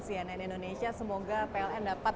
cnn indonesia semoga pln dapat